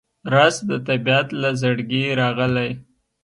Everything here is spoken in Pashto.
رس د طبیعت له زړګي راغلی